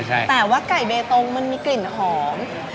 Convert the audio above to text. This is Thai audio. แต่ว่าไก่เบตงมันมีกลิ่นหอม